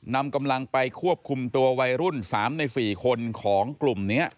นำกำลังไปควบคุมตัววัยรุ่น๓ใน๔คนของกลุ่มนี้